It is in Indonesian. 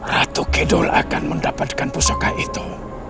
ratu kidul akan mendapatkan pusaka itu